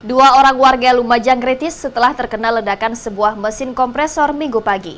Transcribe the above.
dua orang warga lumajang kritis setelah terkena ledakan sebuah mesin kompresor minggu pagi